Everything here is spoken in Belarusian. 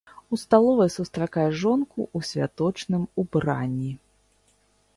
У сталовай сустракае жонку ў святочным убранні.